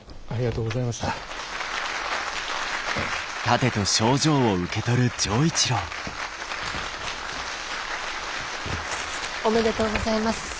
ありがとうございます。